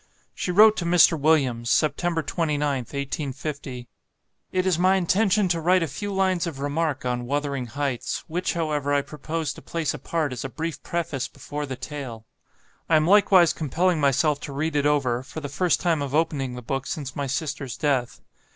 She wrote to Mr. Williams, September 29th, 1850, "It is my intention to write a few lines of remark on 'Wuthering Heights,' which, however, I propose to place apart as a brief preface before the tale. I am likewise compelling myself to read it over, for the first time of opening the book since my sister's death.